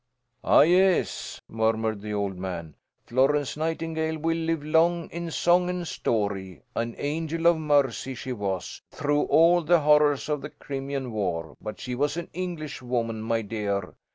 "Ah, yes," murmured the old man. "Florence Nightingale will live long in song and story. An angel of mercy she was, through all the horrors of the Crimean War; but she was an English woman, my dear.